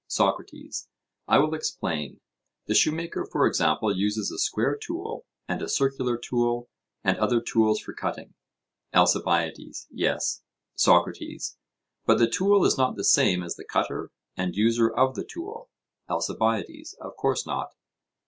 SOCRATES: I will explain; the shoemaker, for example, uses a square tool, and a circular tool, and other tools for cutting? ALCIBIADES: Yes. SOCRATES: But the tool is not the same as the cutter and user of the tool? ALCIBIADES: Of course not.